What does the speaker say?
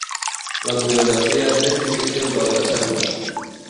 La coreografia és més difícil del que sembla.